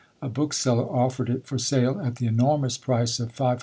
A bookseller offered it for sale at the enormous price of 500_l.